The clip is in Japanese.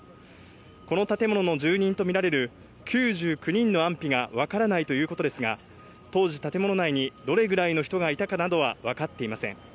この建物の住人とみられる９９人の安否がわからないということですが、当時、建物内にどれくらいの人がいたかなどはわかっていません。